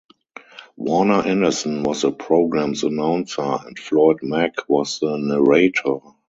Warner Anderson was the program's announcer, and Floyd Mack was the narrator.